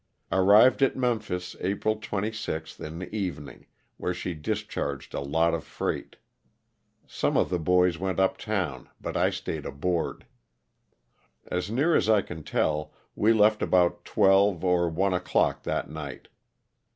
Arrived at Memphis April 26, in the evening, where she discharged a lot of freight. Some of the boys went up town, but I staid aboard. As near as 1 can tell we left about twelve or one o'clock that night.